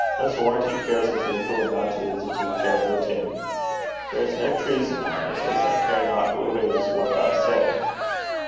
'I s' warran' he cares as little aboot hiz as we care aboot him. There's nae treason noo a days. I carena wha hears what I say.'